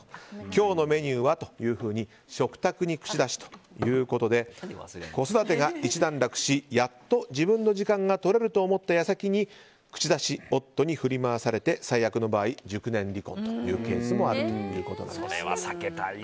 今日のメニューは？というふうに食卓に口出しということで子育てが一段落しやっと自分の時間が取れると思った矢先に口出し夫に振り回されて最悪の場合熟年離婚というケースもそれは避けたいね。